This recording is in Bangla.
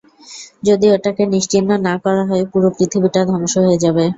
যদি ওটাকে নিশ্চিহ্ন না করা হয়, পুরো পৃথিবীটা ধ্বংস হয়ে যাবে।